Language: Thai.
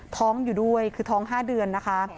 ท้องอยู่ด้วยคือท้อง๕เดือนนะคะ